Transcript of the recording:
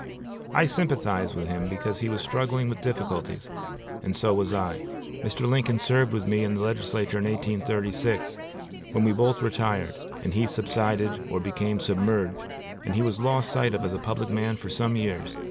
I sympathized with him because he was struggling with difficulties, and so was I. Mr. Lincoln served with me in the legislature in 1836, when we both retired; and he subsided or became submerged, and he was lost sight of as a public man for some years.